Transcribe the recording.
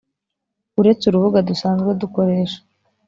uretse urubuga dusanzwe dukoresha